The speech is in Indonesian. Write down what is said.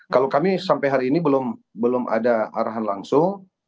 kalau kami sampai hari ini belum ada arahan langsung